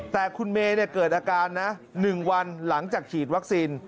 แต่คุณเมย์เกิดอาการนะ๑วันหลังจากฉีดวัคซีน